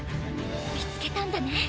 見つけたんだね